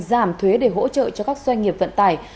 giảm thuế để hỗ trợ cho các doanh nghiệp vận tải